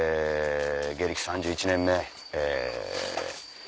芸歴３１年目。